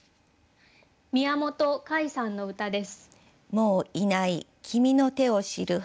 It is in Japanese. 宮本魁さんの歌です。